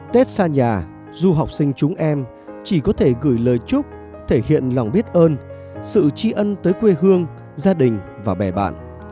tết xa nhà du học sinh chúng em chỉ có thể gửi lời chúc thể hiện lòng biết ơn sự tri ân tới quê hương gia đình và bè bạn